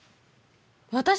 私？